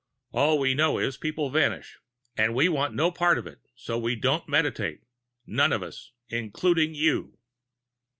"All we know is, people vanish. And we want no part of it, so we don't meditate. None of us including you!"